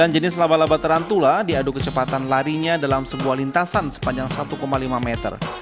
sembilan jenis laba laba tarantula diadu kecepatan larinya dalam sebuah lintasan sepanjang satu lima meter